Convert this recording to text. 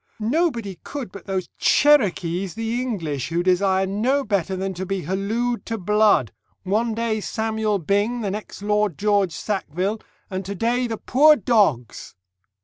Nobody could but those Cherokees the English, who desire no better than to be halloo'd to blood one day Samuel Byng, the next Lord George Sackville, and to day the poor dogs!